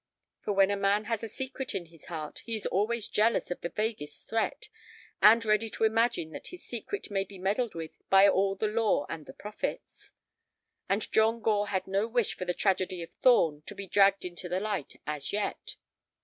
For when a man has a secret in his heart he is always jealous of the vaguest threat, and ready to imagine that his secret may be meddled with by all the law and the prophets. And John Gore had no wish for the tragedy of Thorn to be dragged into the light as yet.